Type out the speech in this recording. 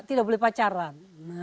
saya beli pacaran